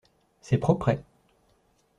C’est propret.